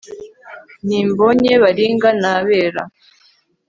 ntimbonye baringa nabera